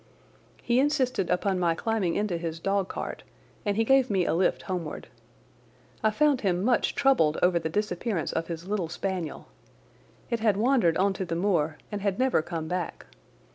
He insisted upon my climbing into his dog cart, and he gave me a lift homeward. I found him much troubled over the disappearance of his little spaniel. It had wandered on to the moor and had never come back.